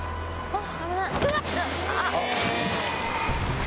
あっ！